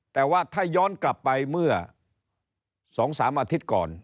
แต่ว่าถ้าย้อนกลับไปเมื่อ๒๓อาทิตย์ก่อน